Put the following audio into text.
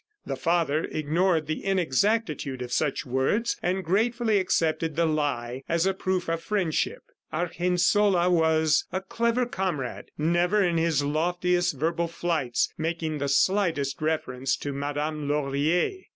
The father ignored the inexactitude of such words, and gratefully accepted the lie as a proof of friendship. Argensola was such a clever comrade, never, in his loftiest verbal flights, making the slightest reference to Madame Laurier.